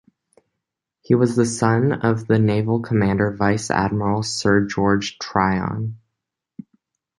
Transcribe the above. He was the son of the naval commander Vice-Admiral Sir George Tryon.